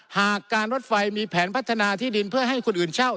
หากการรถไฟมีแผนพัฒนาที่ดินเพื่อให้คนอื่นเช่า